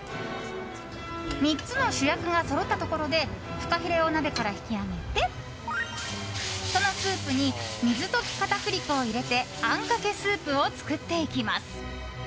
３つの主役がそろったところでフカヒレを鍋から引き上げてそのスープに水溶き片栗粉を入れてあんかけスープを作っていきます。